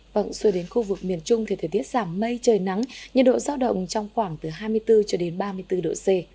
vâng xuôi đến khu vực miền trung thì thời tiết giảm mây trời nắng nhiệt độ giao động trong khoảng từ hai mươi bốn cho đến ba mươi bốn độ c